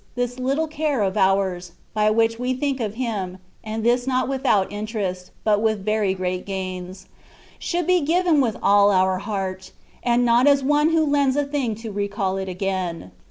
this " little care^^ of ours, by which we think of Him, and this not without interest, but with very great gains) should be given with all our heart, and not as one who lends a thing to recall it again.